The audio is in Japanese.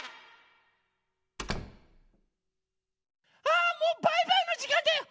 あもうバイバイのじかんだよ！